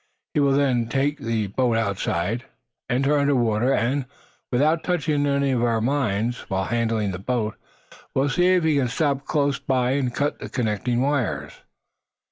He will then take the boat outside, enter under water, and, without touching any of our mines, while handling the boat, will see if he can stop close by and cut the connecting wires."